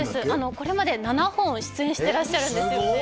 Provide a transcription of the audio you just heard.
これまで７本出演してらっしゃるんですよね